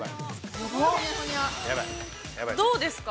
◆どうですか。